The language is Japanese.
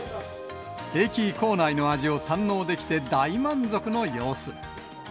駅構内の味を堪能できて大満足の様子。